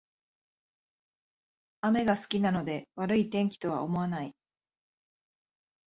雨が好きなので悪い天気とは思わない